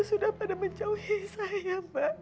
sudah pada menjauhi saya